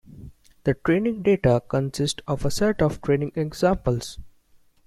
The training data consist of a set of "training examples".